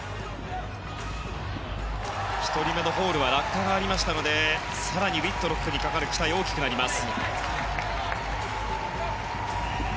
１人目のホールは落下がありましたのでウィットロックにかかる期待が大きくなります。